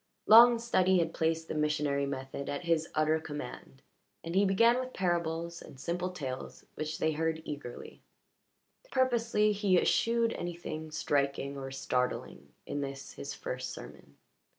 Long study had placed the missionary method at his utter command, and he began with parables and simple tales which they heard eagerly. Purposely, he eschewed anything striking or startling in this his first sermon.